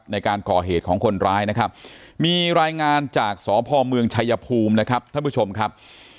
ในการก่อเหตุของคนร้ายนะครับมีรายงานจากสพเมืองชายภูมินะครับท่านผู้ชมครับ